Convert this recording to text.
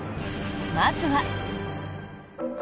まずは。